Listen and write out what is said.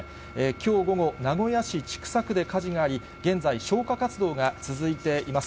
きょう午後、名古屋市千種区で火事があり、現在、消火活動が続いています。